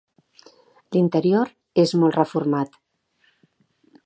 L'interior és molt reformat.